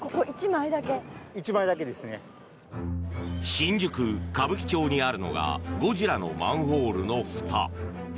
新宿・歌舞伎町にあるのがゴジラのマンホールのふた。